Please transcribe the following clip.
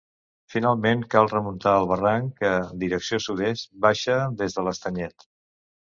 Finalment cal remuntar el barranc que, direcció sud-est, baixa des de l'estanyet.